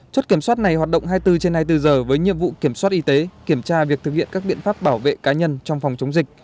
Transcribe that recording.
chốt kiểm soát này hoạt động hai mươi bốn trên hai mươi bốn giờ với nhiệm vụ kiểm soát y tế kiểm tra việc thực hiện các biện pháp bảo vệ cá nhân trong phòng chống dịch